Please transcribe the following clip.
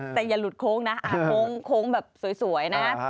แต่อย่าหลุดโค้งนะโค้งแบบสวยนะ